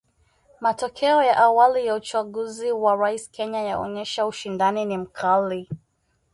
Matokeo ya awali ya uchaguzi wa rais Kenya yaonyesha ushindani ni mkali.